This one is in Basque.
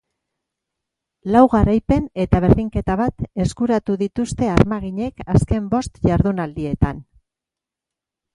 Lau garaipen eta berdinketa bat eskuratu dituzte armaginek azken bost jardunaldietan.